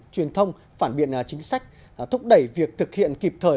truyền thông phản biện chính sách thúc đẩy việc thực hiện kịp thời